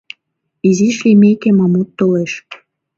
Изиш лиймеке, Мамут толеш.